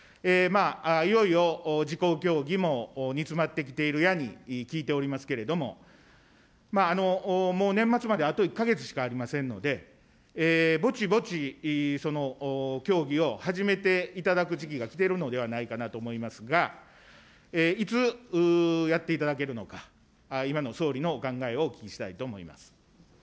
いよいよ自公協議も煮詰まってきているやに聞いておりますけれども、もう年末まであと１か月しかありませんので、ぼちぼち協議を始めていただく時期がきてるのではないかなと思いますが、いつやっていただけるのか、今の総理のお考えをお聞きしたいと思います。